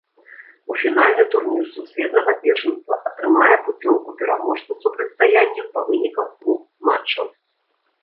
У фінальны турнір сусветнага першынства атрымае пуцёўку пераможца супрацьстаяння па выніках двух матчаў.